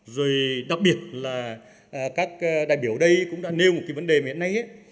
rồi đặc biệt là các đại biểu đây cũng đã nêu một vấn đề miễn nay